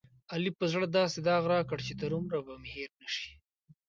علي په زړه داسې داغ راکړ، چې تر عمره به مې هېر نشي.